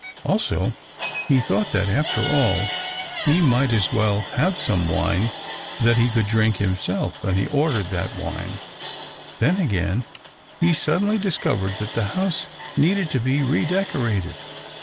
Also he thought that, after all, he might as well have some wine that he could drink himself. And he ordered that wine. Then, again, he suddenly discovered that the house needed to be re decorated.